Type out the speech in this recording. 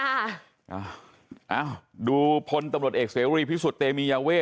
เอ้าดูพลตำรวจเอกเสรีพิสุทธิเตมียาเวท